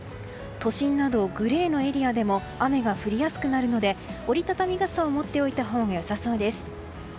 都心など、グレーのエリアでも雨が降りやすくなるので折り畳み傘を持っておいたほうが良さそうです。